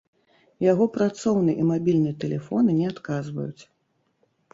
Яго працоўны і мабільны тэлефоны не адказваюць.